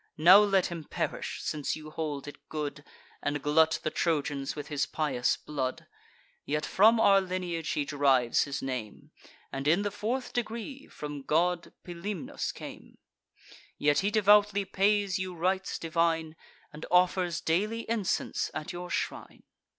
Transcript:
Now let him perish, since you hold it good, And glut the Trojans with his pious blood. Yet from our lineage he derives his name, And, in the fourth degree, from god Pilumnus came; Yet he devoutly pays you rites divine, And offers daily incense at your shrine."